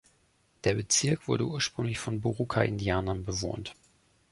Der Bezirk wurde ursprünglich von Boruca-Indianern bewohnt.